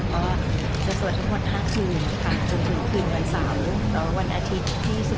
ก็จะสวดทั้งหมด๕คืนจนถึงคืนวันเสาร์และวันอาทิตย์ที่๑๒